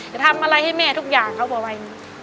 จะทำอะไรให้แม่ทุกอย่างเขาบอกบัย